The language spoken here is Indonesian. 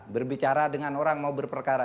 berbicara dengan orang mau berperkara